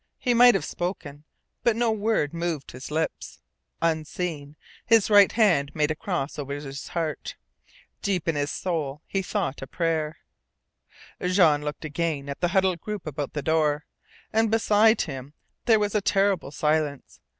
He might have spoken. But no word moved his lips. Unseen, his right hand made a cross over his heart. Deep in his soul he thought a prayer. Jean looked again at the huddled group about the door. And beside him there was a terrible silence.